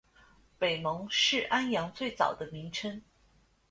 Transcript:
北蒙是安阳最早的名称。